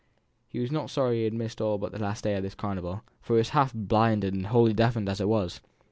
He was not sorry he had missed all but this last day of carnival, for he was half blinded and wholly deafened, as it was.